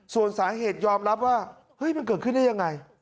ส่วนสาเหตุยอมรับว่าเฮ้ยมันเกิดขึ้นได้ยังไง